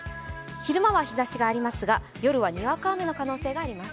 昼間は日ざしがありますが、夜はにわか雨の可能性があります。